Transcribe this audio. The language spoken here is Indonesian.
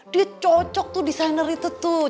dia cocok tuh desainer itu tuh